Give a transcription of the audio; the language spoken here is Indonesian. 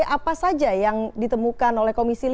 apa saja yang ditemukan oleh komisi lima